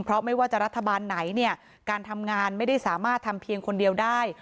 เพราะไม่ว่าจะรัฐบาลไหนเนี่ยการทำงานไม่ได้สามารถทำเพียงคนเดียวได้